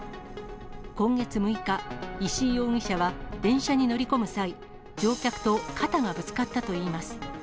今月６日、石井容疑者は、電車に乗り込む際、乗客と肩がぶつかったといいます。